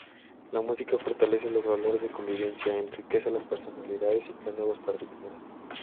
La música fortalece los valores de convivencia, enriquece las personalidades y crea nuevos paradigmas.